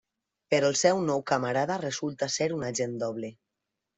Però el seu nou camarada resulta ser un agent doble.